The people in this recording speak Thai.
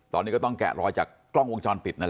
ตอนนี้ก็ต้องแกะรอยจากกล้องวงจรปิดนั่นแหละ